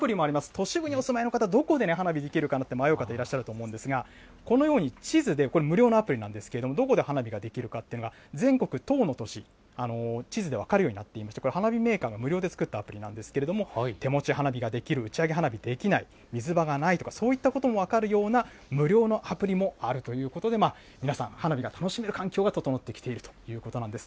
都市部にお住まいの方、どこで花火できるかななんて迷う方いらっしゃると思うんですけれども、このように地図で、これ無料のアプリなんですけれども、どこで花火ができるかというのが、全国１０の都市、地図で分かるようになっていまして、これ、花火メーカーが無料で作ったアプリなんですけれども、手持ち花火ができる、打ち上げ花火できない、水場がないとか、そういったことも分かるような、無料アプリもあるということで、皆さん、花火が楽しめる環境が整ってきているということなんです。